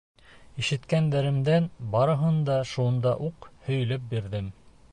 Ишеткәндәремдең барыһын да шунда уҡ һөйләп бирҙем.